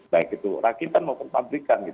baik itu rakitan maupun pabrikan